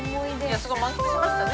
すごい満喫しましたね。